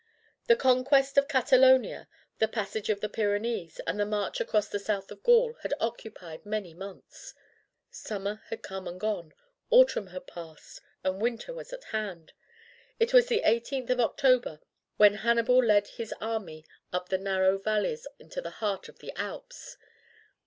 The conquest of Catalonia, the passage of the Pyrenees, and the march across the south of Gaul, had occupied many months. Summer had come and gone, autumn had passed, and winter was at hand. It was the eighteenth of October when Hannibal led his army up the narrow valleys into the heart of the Alps.